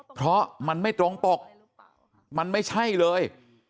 เพราะมันไม่ตรงปกมันไม่ใช่เลย